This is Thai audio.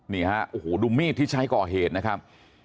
นี่ฮะโอ้โหดูมีดที่ใช้ก่อเหตุนะครับ